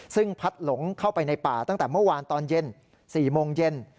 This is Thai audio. ซึ่งพัดหลงเข้าไปในป่าตั้งแต่เมื่อวานตอนเย็น๔โมงเย็น